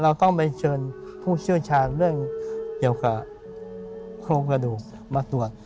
เราต้องไปเชิญผู้เชี่ยวชาญเรื่องเกี่ยวกับโครงกระดูกมาตรวจ